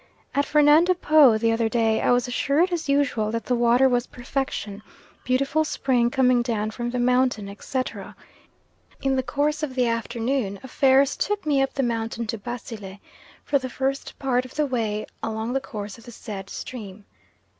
At Fernando Po the other day I was assured as usual that the water was perfection, "beautiful spring coming down from the mountain," etc. In the course of the afternoon affairs took me up the mountain to Basile, for the first part of the way along the course of the said stream.